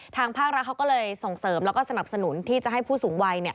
ทางภาครัฐเขาก็เลยส่งเสริมแล้วก็สนับสนุนที่จะให้ผู้สูงวัย